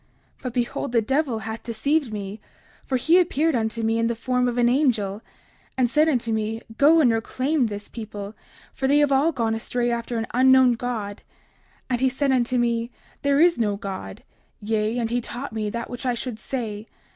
30:53 But behold, the devil hath deceived me; for he appeared unto me in the form of an angel, and said unto me: Go and reclaim this people, for they have all gone astray after an unknown God. And he said unto me: There is no God; yea, and he taught me that which I should say.